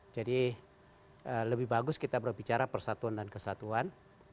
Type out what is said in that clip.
jadi lebih bagus kita berbicara persatuan dan kesatuan